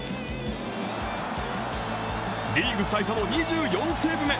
リーグ最多の２４セーブ目。